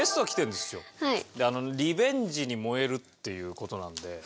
リベンジに燃えるっていう事なので。